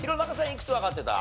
いくつわかってた？